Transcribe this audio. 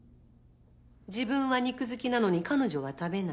自分は肉好きなのに彼女は食べない。